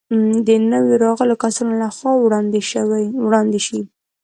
د نویو راغلو کسانو له خوا وړاندې شي.